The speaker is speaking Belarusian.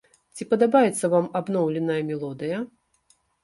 Ці падабаецца вам абноўленая мелодыя?